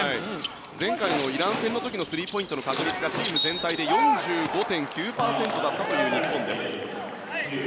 前回のイラン戦の時のスリーポイントがチーム全体で４５．９％だったという日本です。